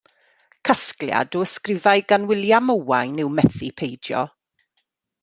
Casgliad o ysgrifau gan William Owen yw Methu Peidio.